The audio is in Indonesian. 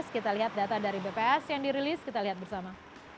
kita lihat data dari bps yang dirilis kita lihat bersama